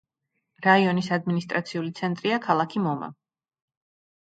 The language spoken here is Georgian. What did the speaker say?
რაიონის ადმინისტრაციული ცენტრია ქალაქი მომა.